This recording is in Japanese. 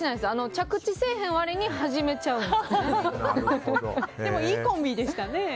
着地せえへんわりにでもいいコンビでしたね。